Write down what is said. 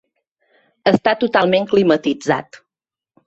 Està totalment climatitzat.